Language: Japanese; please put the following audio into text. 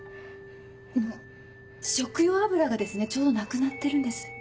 あの食用油がですねちょうどなくなってるんです。